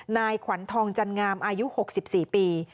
นายขวัญทองจันงามอายุ๖๔ปี